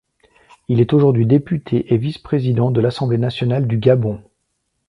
Il est aujourd'hui député et vice-président de l'Assemblée nationale du Gabon.